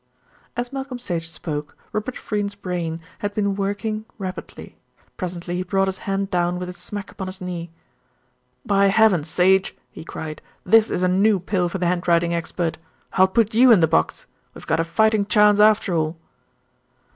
As Malcolm Sage spoke, Robert Freynes's brain had been working rapidly. Presently he brought his hand down with a smack upon his knee. "By heavens, Sage!" he cried, "this is a new pill for the handwriting expert. I'll put you in the box. We've got a fighting chance after all."